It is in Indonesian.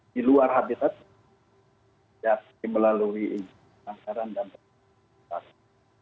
di luar habitat yang melalui penangkaran dan penyelidikan